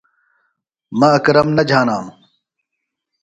مہ اکرم نہ جھانانوۡ۔